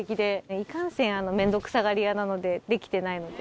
いかんせん面倒くさがり屋なのでできてないので。